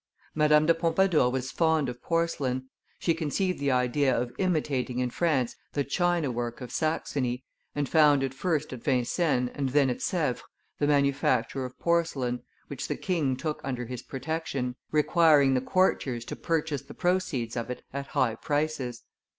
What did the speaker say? Madame de Pompadour was fond of porcelain; she conceived the idea of imitating in France the china work of Saxony, and founded first at Vincennes and then at Sevres the manufacture of porcelain, which the king took under his protection, requiring the courtiers to purchase the proceeds of it at high prices.